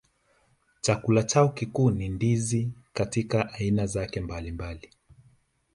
Chakula chao kikuu ni ndizi katika aina zake mbalimbali